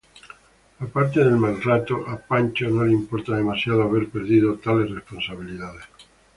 Aparte del mal rato, a Pancho no le importa demasiado haber perdido tales responsabilidades.